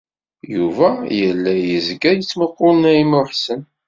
Yuba yella yezga yettmuqul Naɛima u Ḥsen.